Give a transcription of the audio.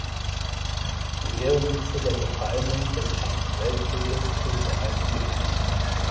Die Ehrenliste der Gefallenen des Ersten Weltkriegs ist erhalten geblieben.